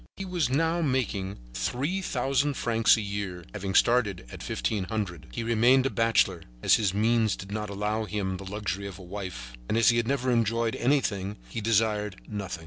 He was now making three thousand francs a year, having started at fifteen hundred. He had remained a bachelor, as his means did not allow him the luxury of a wife, and as he had never enjoyed anything, he desired nothing.